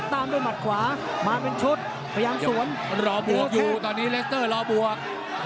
ตามด้วยหมัดขวามาเป็นชุดพยายามสวนรอบวกอยู่ตอนนี้เลสเตอร์รอบวก